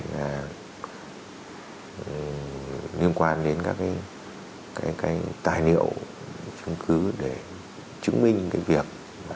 nguyên quan đến các tài liệu chứng cứ để chứng minh việc